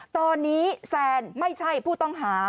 ตอนนี้แซนไม่ใช่ผู้ต้องหา